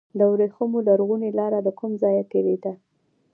د وریښمو لرغونې لاره له کوم ځای تیریده؟